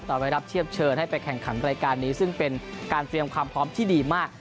ไปรับเทียบเชิญให้ไปแข่งขันรายการนี้ซึ่งเป็นการเตรียมความพร้อมที่ดีมาก